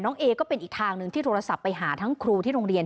เอก็เป็นอีกทางหนึ่งที่โทรศัพท์ไปหาทั้งครูที่โรงเรียน